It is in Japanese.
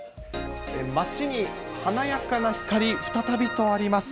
街に華やかな光再びとあります。